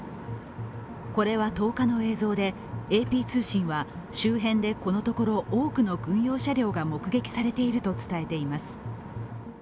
これは１０日の映像で、ＡＰ通信は周辺でこのところ、多くの軍用車両が目撃されていると伝えています。